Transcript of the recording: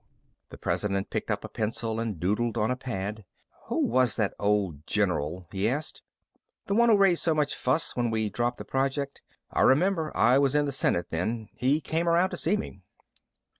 The President picked up a pencil and doodled on a pad. "Who was that old general," he asked, "the one who raised so much fuss when we dropped the project? I remember I was in the Senate then. He came around to see me."